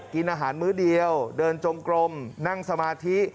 กินอาหารมื้อเดียวเดินจงกลมนั่งสมาธิ